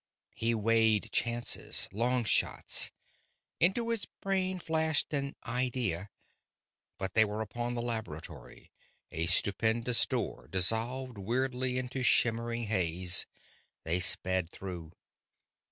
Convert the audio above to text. He weighed chances, long shots. Into his brain flashed an idea.... But they were upon the laboratory; a stupendous door dissolved weirdly into shimmering haze; they sped through.